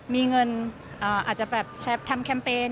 มีเงินอาจจะแบบทำแคมเปญ